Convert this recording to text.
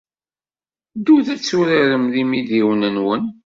Ddut ad turarem d yimidiwen-nwen.